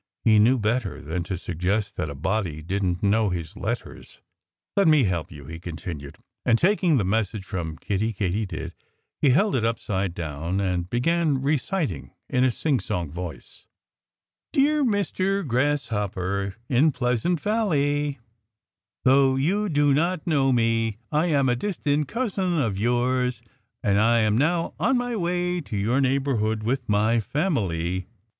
He knew better than to suggest that a body didn't know his letters! "Let me help you!" he continued. And taking the message from Kiddie Katydid, he held it upside down and began reciting in a sing song voice: Dear Mr. Grasshopper, in Pleasant Valley Though you do not know me, I am a distant cousin of yours; and I am now on my way to your neighborhood, with my family.